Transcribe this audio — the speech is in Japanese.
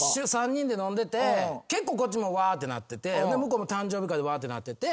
３人で飲んでて結構こっちもわってなってて向こうも誕生日会でわってなってて。